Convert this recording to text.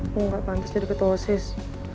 lo gak pantas jadi ketosis